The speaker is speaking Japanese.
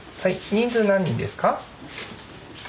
人数何人ですか？